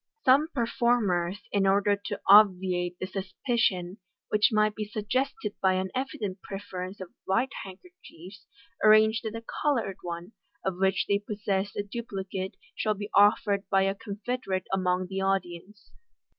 Some performers, in order to obviate the suspicion which might be suggested by an evident prefer ence of white handkerchiefs, arrange that a coloured one, of which they possess a duplicate, shall be offered by a confederate among the audience.